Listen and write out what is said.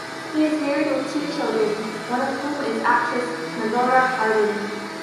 He is married with two children, one of whom is actress Melora Hardin.